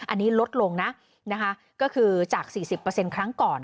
อันนี้ลดลงนะคะก็คือจาก๔๐เปอร์เซ็นต์ครั้งก่อน